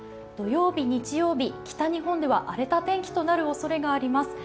土曜日、日曜日、北日本では荒れた天気となるおそれがあります。